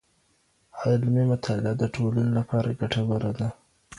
علمي مطالعه د ټولني لپاره ګټوره ده.